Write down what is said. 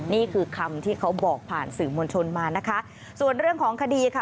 นี่คือคำที่เขาบอกผ่านสื่อมวลชนมานะคะส่วนเรื่องของคดีค่ะ